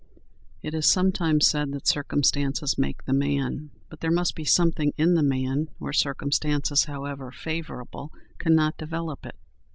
It is sometimes said that circumstances make the man; but there must be something in the man, or circumstances, however favorable, cannot develop it.